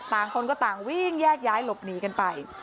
ต่างคนก็ต่างวิ่งแยกย้ายหลบหนีกันไป